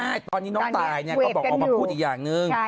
ก็ดูกันตอนนี้น้องตายเนี่ยก็บอกออกมาพูดอีกอย่างนึง